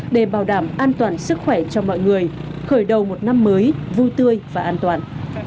để bảo đảm an toàn sức khỏe cho mọi người khởi đầu một năm mới vui tươi và an toàn